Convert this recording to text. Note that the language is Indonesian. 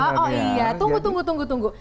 oh iya tunggu tunggu tunggu tunggu